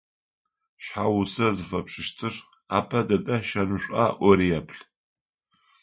Шъхьагъусэ зыфэпшӏыщтыр апэ дэдэ шэнышӏуа ӏори еплъ.